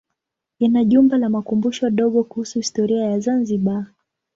Ina jumba la makumbusho dogo kuhusu historia ya Zanzibar.